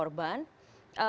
karena ini korban